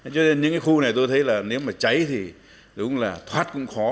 cho nên những cái khu này tôi thấy là nếu mà cháy thì đúng là thoát cũng khó